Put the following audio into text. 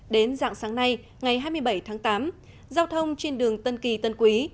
đến dạng sáng nay ngày hai mươi bảy tháng tám giao thông trên đường tân kỳ tân quý